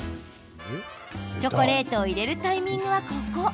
チョコレートを入れるタイミングはここ。